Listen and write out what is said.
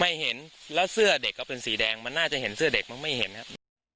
ไม่เห็นแล้วเสื้อเด็กก็เป็นสีแดงมันน่าจะเห็นเสื้อเด็กมั้งไม่เห็นครับ